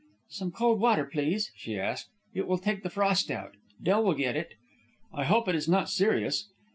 "Some cold water, please," she asked. "It will take the frost out. Del will get it." "I hope it is not serious?"